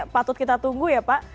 patut kita tunggu ya pak